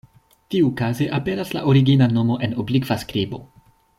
Tiukaze aperas la origina nomo en oblikva skribo.